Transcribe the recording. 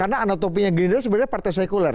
karena anatopinya gerindra sebenarnya partai sekuler ya